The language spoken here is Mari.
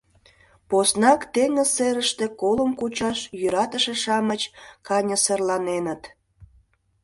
Поснак теҥыз серыште колым кучаш йӧратыше-шамыч каньысырланеныт.